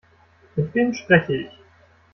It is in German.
Mit wem spreche ich?